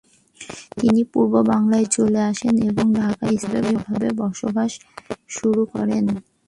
তিনি পূর্ব বাংলায় চলে আসেন এবং ঢাকায় স্থায়ীভাবে বসবাস শুরু করেন।